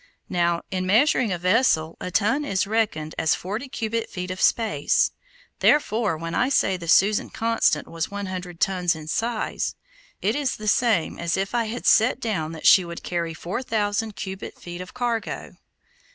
Now, in measuring a vessel, a ton is reckoned as forty cubic feet of space, therefore when I say the Susan Constant was one hundred tons in size, it is the same as if I had set down that she would carry four thousand cubic feet of cargo.